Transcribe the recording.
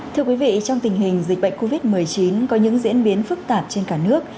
thưa quý vị trong tình hình dịch bệnh covid một mươi chín có những diễn biến phức tạp trên cả nước